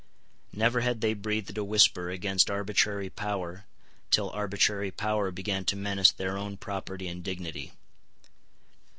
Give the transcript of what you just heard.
Never had they breathed a whisper against arbitrary power till arbitrary power began to menace their own property and dignity.